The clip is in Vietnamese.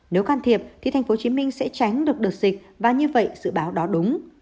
nếu can thiệp thì tp hcm sẽ tránh được đợt dịch và như vậy dự báo đó đúng